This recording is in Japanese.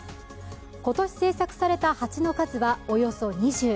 今年制作された鉢の数はおよそ２０。